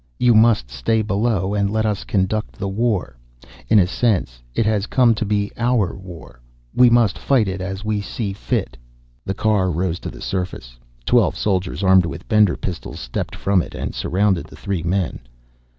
You must stay below and let us conduct the war. In a sense, it has come to be our war. We must fight it as we see fit." The car rose to the surface. Twelve soldiers, armed with Bender pistols, stepped from it and surrounded the three men.